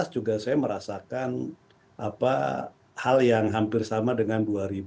dua ribu empat belas juga saya merasakan apa hal yang hampir sama dengan dua ribu sembilan